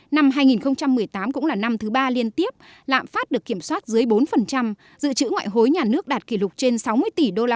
năm hai nghìn một mươi tám cũng là năm thứ ba liên tiếp lạm phát được kiểm soát dưới bốn dự trữ ngoại hối nhà nước đạt kỷ lục trên sáu mươi tỷ usd